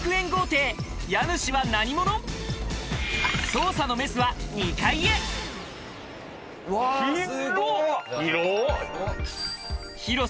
捜査のメスは２階へ広っ！